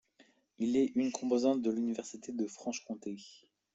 Il est une composante de l'université de Franche-Comté.